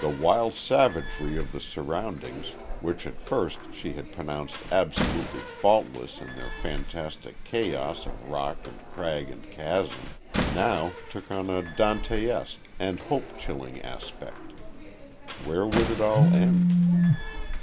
The wild savagery of the surroundings which at first she had pronounced absolutely faultless in their fantastic chaos of rock and crag and chasm, now took on a Dantesque and hope chilling aspect. Where would it all end?